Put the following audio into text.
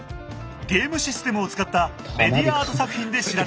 ゲームシステムを使ったメディアアート作品で知られる。